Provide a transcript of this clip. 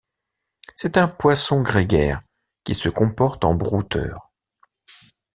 C'est un poisson grégaire qui se comporte en brouteur.